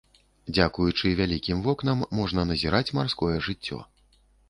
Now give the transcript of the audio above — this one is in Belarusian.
Дзякуючы вялікім вокнам можна назіраць марское жыццё.